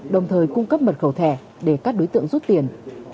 đồng thời cung cấp mật khẩu thẻ để các đối tượng rút tiền